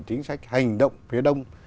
chính sách hành động phía đông